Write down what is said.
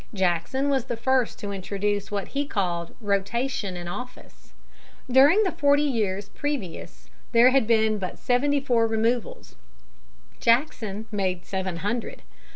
Jackson was the first to introduce what he called "rotation in office." During the forty years previous there had been but seventy four removals; Jackson made seven hundred.